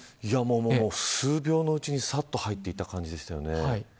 もう数秒のうちに、さっと入っていた感じでしたよね。